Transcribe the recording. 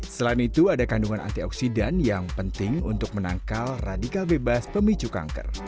selain itu ada kandungan antioksidan yang penting untuk menangkal radikal bebas pemicu kanker